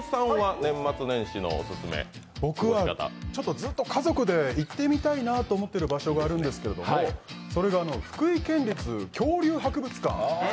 ずっと家族で行ってみたい場所があるんですけど、それが、福井県立恐竜博物館。